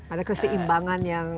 ada keseimbangan yang utuh